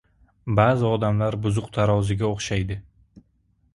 • Ba’zi odamlar buzuq taroziga o‘xshaydi.